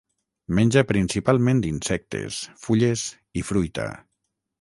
Menja principalment insectes, fulles i fruita.